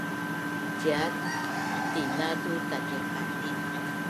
Ciat tina tu tatdiqanin